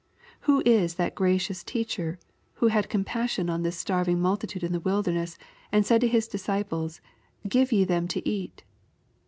Who is that gracious Teacher who had compassion on this starving multitude in the wilderness, and said to His disciples, " Give ye them to eat